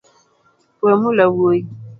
Wemula wuoyi